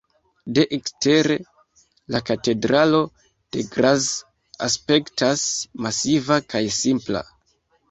De ekstere la katedralo de Graz aspektas masiva kaj simpla.